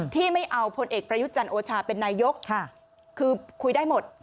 ไม่เอาพลเอกประยุทธ์จันทร์โอชาเป็นนายกคือคุยได้หมด